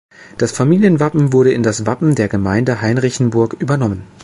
Das Familienwappen wurde in das Wappen der Gemeinde Henrichenburg übernommen.